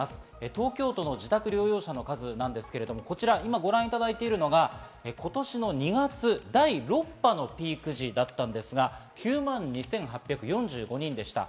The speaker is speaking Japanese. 東京都の自宅療養者数の数ですけれども、今ご覧いただいているのが今年の２月、第６波のピーク時だったんですが、９万２８４５人でした。